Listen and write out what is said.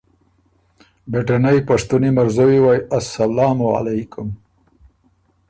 بېټنئ پشتُونی مرزوّی وئ اسلام علیکم!